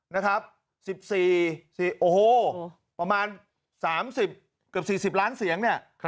นะครับ๑๔โอ้โหประมาณ๓๐เกือบ๔๐ล้านเสียงเนี่ย